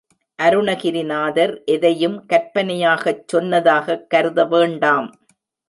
அருணகிரிநாதர் எதையும் கற்பனையாகச் சொன்னதாகக் கருத வேண்டாம்.